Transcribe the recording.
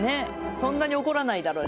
そんなに怒らないだろうし。